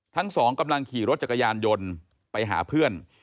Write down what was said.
ทั้งสองกำลังขี่รถจักรยานยนต์ไปหาเพื่อน